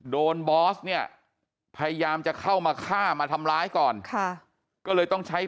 บอสเนี่ยพยายามจะเข้ามาฆ่ามาทำร้ายก่อนค่ะก็เลยต้องใช้